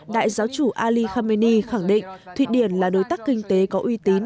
đại giáo chủ ali khameni khẳng định thụy điển là đối tác kinh tế có uy tín